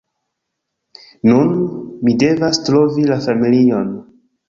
Nun, mi devas trovi la familion